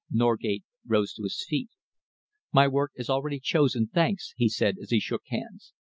Norgate rose to his feet. "My work is already chosen, thanks," he said, as he shook hands.